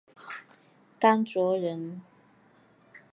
甘卓人。